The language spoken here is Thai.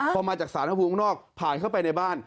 พอมาจากสารภูมิข้างนอกผ่านเข้าไปในบ้าน